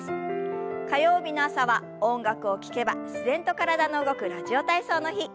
火曜日の朝は音楽を聞けば自然と体の動く「ラジオ体操」の日。